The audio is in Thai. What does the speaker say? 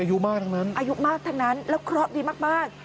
อายุมากทั้งนั้นอายุมากทั้งนั้นแล้วเคราะห์ดีมาก